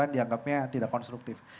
dianggapnya tidak konstruktif